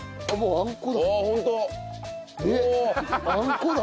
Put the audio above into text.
あんこだ。